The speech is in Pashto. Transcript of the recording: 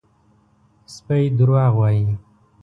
_سپی دروغ وايي!